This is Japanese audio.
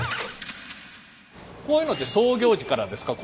こういうのって創業時からですか？